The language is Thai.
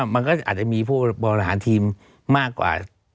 มันไม่แค่นี้นะ